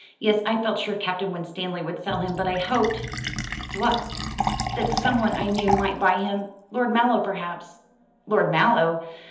Yes, I felt sure Captain Winstanley would sell him. But I hoped " "What?" "That some one I knew might buy him. Lord Mallow perhaps." "Lord Mallow!